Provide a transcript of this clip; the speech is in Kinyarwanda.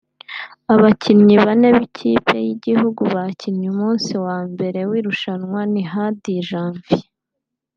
Abakinnyi bane b’ikipe y’igihugu bakinnye umunsi wa mbere w’irushanwa ni Hadi Janvier